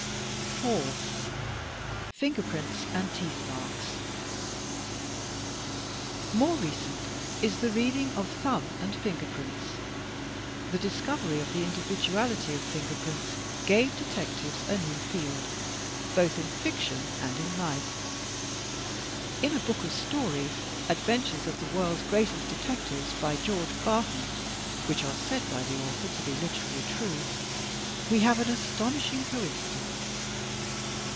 4, Fingerprints and Teeth marks More recent is the reading of thumb and fingerprints. The discovery of the individuality of fingerprints gave detectives a new field, both in fiction and in life. 192 THE TECHNIQUE OF THE MYSTERY STORY In a book of stories, " Adventures of the World's Greatest Detectives," by George Barton, which are said by the author to be literally true, we have an astonishing coincidence.